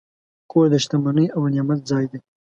کور د شتمنۍ او نعمت ځای دی.